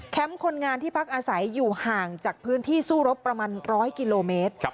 คนงานที่พักอาศัยอยู่ห่างจากพื้นที่สู้รบประมาณ๑๐๐กิโลเมตร